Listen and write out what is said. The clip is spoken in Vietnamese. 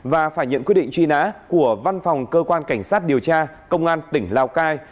và phải nhận quyết định truy nã của văn phòng cơ quan cảnh sát điều tra công an tỉnh lào cai